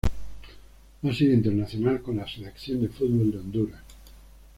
Ha sido internacional con la Selección de fútbol de Honduras.